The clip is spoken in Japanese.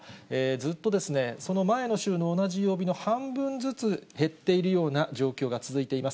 ずっとその前の週の同じ曜日の半分ずつ減っているような状況が続いています。